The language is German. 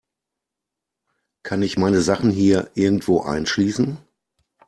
Kann ich meine Sachen hier irgendwo einschließen?